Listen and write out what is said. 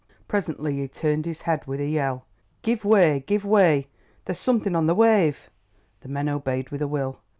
Presently he turned his head with a yell. "Give way—give way! there's something on the wave." The men obeyed with a will.